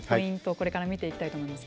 これから見ていきたいと思います。